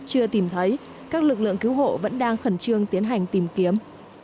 chưa tìm thấy các lực lượng cứu hộ vẫn đang khẩn trương tiến hành tìm kiếm